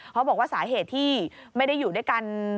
เขาบอกว่าสาเหตุที่ไม่ได้อยู่ด้วยกัน